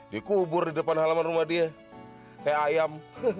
dikubur di depan halaman rumah dia kayak ayam